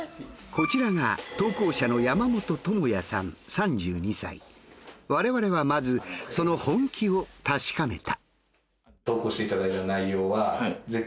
こちらが投稿者の我々はまずその本気を確かめた。